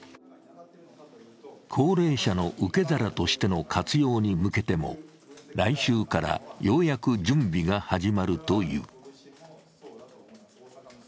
高齢者の受け皿としての活用に向けても来週からようやく準備が始まるという。